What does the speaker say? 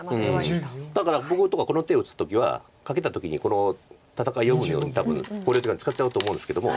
だから僕とかこの手を打つ時はカケた時にこの戦いを読むのに多分考慮時間使っちゃうと思うんですけども。